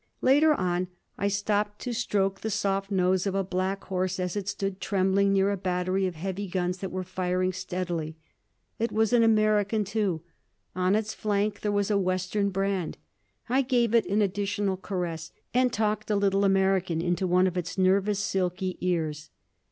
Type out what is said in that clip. Later on I stopped to stroke the soft nose of a black horse as it stood trembling near a battery of heavy guns that was firing steadily. It was American too. On its flank there was a Western brand. I gave it an additional caress, and talked a little American into one of its nervous, silky ears.